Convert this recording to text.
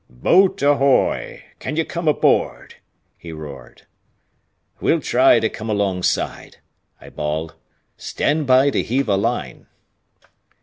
"Boat ahoy! can you come aboard?" he roared. "We'll try to come alongside," I bawled. "Stand by to heave a line."